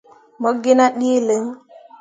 Mo gi nah ɗǝǝ lǝŋ.